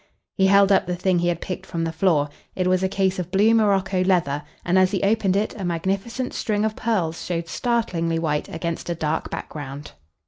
He held up the thing he had picked from the floor. It was a case of blue Morocco leather, and as he opened it a magnificent string of pearls showed startlingly white against a dark background.